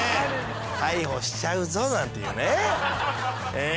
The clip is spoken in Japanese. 「逮捕しちゃうぞ」なんていうねええ！